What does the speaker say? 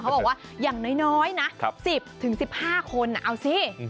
บอกว่าอย่างน้อยนะ๑๐๑๕คนเอาสิ